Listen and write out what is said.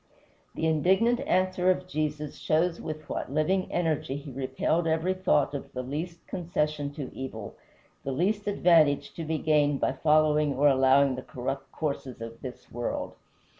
The indignant answer of Jesus shows with what living energy he repelled every thought of the least concession to evil, the least advantage to be gained by following or allowing the corrupt courses of this world.